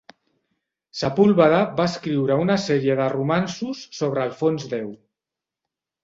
Sepúlveda va escriure una sèrie de romanços sobre Alfons X.